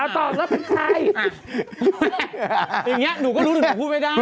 อย่างเนี้ยหนูก็รู้หนูพูดไม่ได้